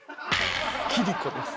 キリコです。